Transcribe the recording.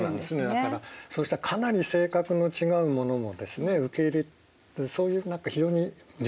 だからそうしたかなり性格の違うものもですね受け入れるそういう何か非常に柔軟なね